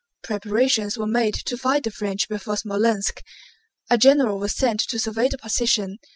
Preparations were made to fight the French before Smolénsk. A general was sent to survey the position.